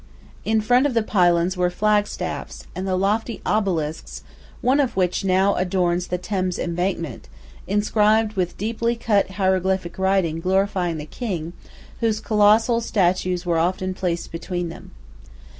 In front of the pylons were flag staffs, and the lofty obelisks (one of which now adorns the Thames Embankment) inscribed with deeply cut hieroglyphic writing glorifying the King, whose colossal statues were often placed between them.